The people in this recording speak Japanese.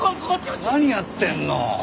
何やってんの！